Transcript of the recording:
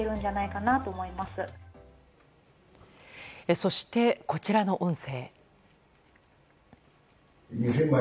そして、こちらの音声。